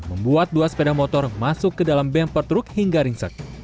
membuat dua sepeda motor masuk ke dalam bemper truk hingga ringsek